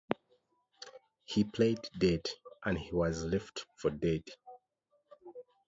He played dead and he was left for dead.